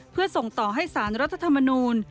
เพื่อส่งต่อให้สารรัฐธรรมนูล